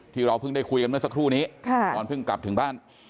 ที่เราเพิ่งได้คุยกันเมื่อสักครู่นี้ตอนเพิ่งกลับถึงบ้าน